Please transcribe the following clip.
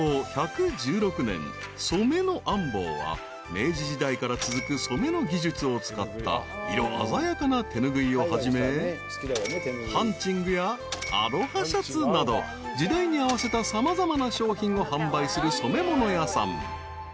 ［明治時代から続く染めの技術を使った色鮮やかな手ぬぐいをはじめハンチングやアロハシャツなど時代に合わせた様々な商品を販売する染め物屋さん］